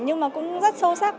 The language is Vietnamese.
nhưng mà cũng rất sâu sắc